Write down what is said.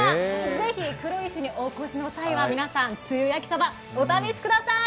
ぜひ、黒石にお越しの際は、皆さん、つゆやきそばお試しください。